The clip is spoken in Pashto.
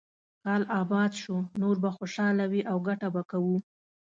کال اباد شو، نور به خوشاله وي او ګټه به کوو.